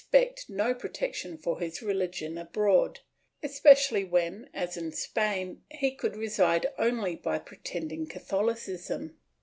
Ill] FOREIGN HERETICS 471 no protection for his religion abroad, especially when, as in Spain, he could reside only by pretending Catholicism.